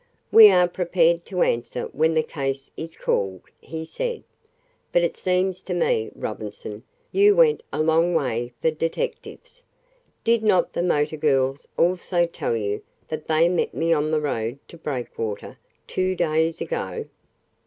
"We are prepared to answer when the case is called," he said. "But it seems to me, Robinson, you went a long way for detectives. Did not the motor girls also tell you that they met me on the road to Breakwater two days ago?"